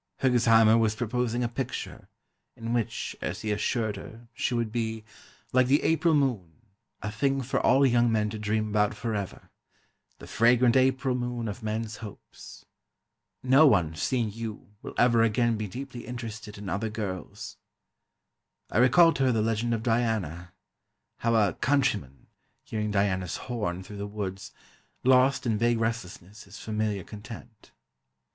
Hergesheimer was proposing a picture, in which, as he assured her, she would be "like the April moon, a thing for all young men to dream about forever ... the fragrant April moon of men's hopes ... 'No one, seeing you, will ever again be deeply interested in other girls.' I recalled to her the legend of Diana—how a countryman, hearing Diana's horn through the woods, lost in vague restlessness his familiar content.